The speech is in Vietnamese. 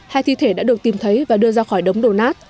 hai thi thể đã được tìm thấy và đưa ra khỏi đống đổ nát